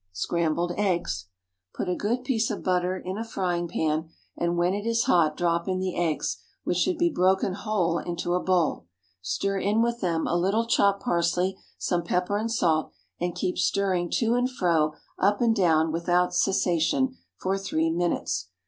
SCRAMBLED EGGS. ✠ Put a good piece of butter in a frying pan, and when it is hot drop in the eggs, which should be broken whole into a bowl. Stir in with them a little chopped parsley, some pepper and salt, and keep stirring to and fro, up and down, without cessation, for three minutes.